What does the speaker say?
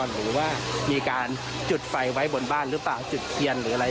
หรือว่ามีการจุดไฟไว้บนบ้านหรือเปล่าจุดเทียนหรืออะไร